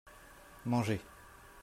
Manger.